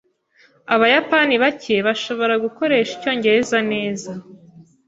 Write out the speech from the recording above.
Abayapani bake bashobora gukoresha icyongereza neza.